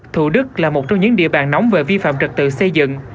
thủ đức là một trong những địa bàn nóng về vi phạm trật tự xây dựng